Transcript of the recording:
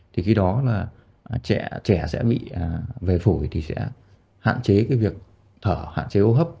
thì khi đó là trẻ sẽ bị về phổi thì sẽ hạn chế cái việc thở hạn chế hô hấp